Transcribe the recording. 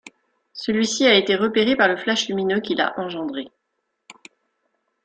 Celui-ci a été repéré par le flash lumineux qu'il a engendré.